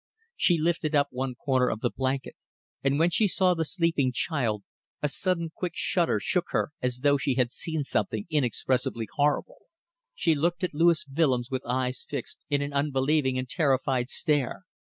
She lifted up one corner of the blanket, and when she saw the sleeping child a sudden quick shudder shook her as though she had seen something inexpressibly horrible. She looked at Louis Willems with eyes fixed in an unbelieving and terrified stare.